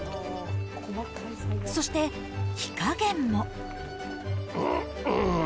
そして、火加減も。